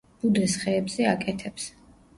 ბუდეს ხეებზე აკეთებს.